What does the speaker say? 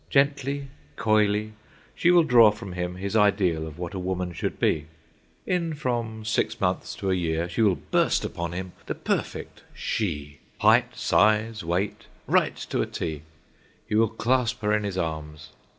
Gently, coyly, she will draw from him his ideal of what a woman should be. In from six months to a year she will burst upon him, the perfect She; height, size, weight, right to a T. He will clasp her in his arms.